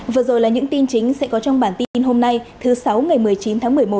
vừa rồi là những tin chính sẽ có trong bản tin hôm nay thứ sáu ngày một mươi chín tháng một mươi một